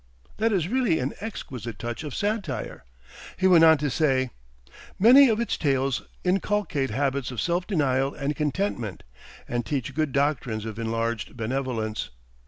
That is really an exquisite touch of satire. He went on to say: "Many of its tales inculcate habits of self denial and contentment, and teach good doctrines of enlarged benevolence.